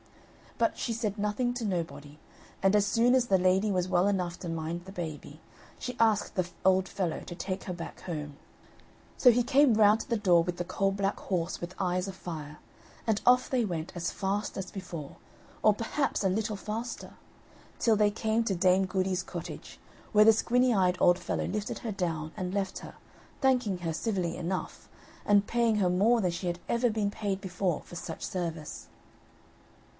But she said nothing to nobody, and as soon as the lady was well enough to mind the baby, she asked the old fellow to take her back home. So he came round to the door with the coal black horse with eyes of fire, and off they went as fast as before, or perhaps a little faster, till they came to Dame Goody's cottage, where the squinny eyed old fellow lifted her down and left her, thanking her civilly enough, and paying her more than she had ever been paid before for such service.